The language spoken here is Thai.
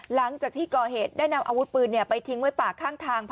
หลังจากที่ก่อเหตุได้นำอาวุธปืนไปทิ้งไว้ป่าข้างทาง